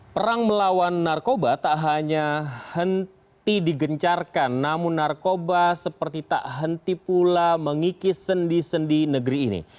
perang melawan narkoba tak hanya henti digencarkan namun narkoba seperti tak henti pula mengikis sendi sendi negeri ini